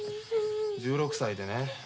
１６歳でね。